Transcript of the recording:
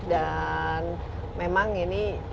dan memang ini